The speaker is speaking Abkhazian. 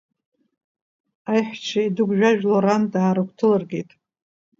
Аиҳәшьцәа еидыгәжәажәло ран даарыгәҭыларкит.